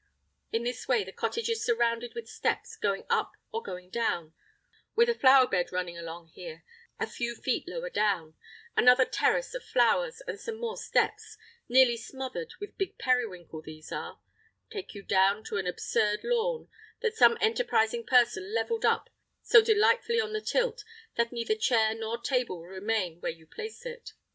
In this way the cottage is surrounded with steps going up or going down, with a flower bed running along here, and some more a few feet lower down; another terrace of flowers and some more steps (nearly smothered with big periwinkle, these are) take you down to an absurd lawn, that some enterprising person levelled up so delightfully on the tilt that neither chair nor table will remain where you place it!